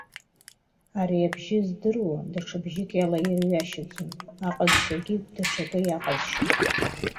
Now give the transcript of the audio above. Ари абжьы здыруа, даҽа бжьык иалаирҩашьаӡом, аҟазшьагьы даҽакы иаҟазшьам!